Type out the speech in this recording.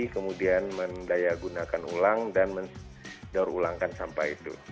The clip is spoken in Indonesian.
kemudian mendayakunakan ulang dan mendaurulangkan sampah itu